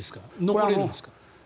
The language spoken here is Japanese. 残れるんですか？